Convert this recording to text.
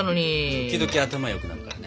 時々頭よくなるからね。